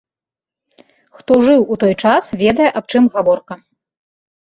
Хто жыў у той час, ведае аб чым гаворка.